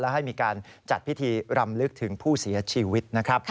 ให้มีการจัดพิธีรำลึกถึงผู้เสียชีวิตนะครับ